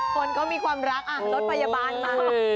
คนก็มีความรักอ่ะรถประยาบาลมา